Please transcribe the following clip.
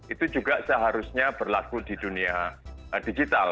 itu juga seharusnya berlaku di dunia digital